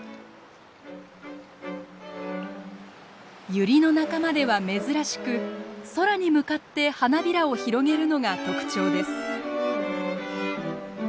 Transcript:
ユリの仲間では珍しく空に向かって花びらを広げるのが特徴です。